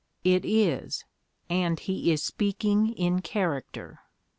It is, and he is speaking in character.